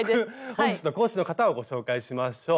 本日の講師の方をご紹介しましょう。